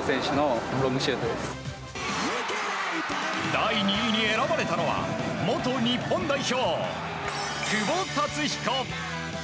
第２位に選ばれたのは元日本代表、久保竜彦。